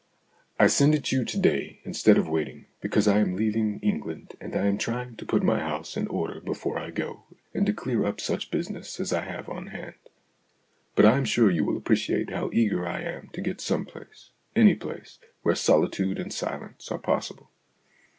I send it you to day, instead of waiting, because I am leaving England, and I am trying to 58 STORIES IN GREY put my house in order before I go, and to clear up such business as I have on hand. But I am sure you will appreciate how eager I am to get to some place any place where solitude and silence are possible.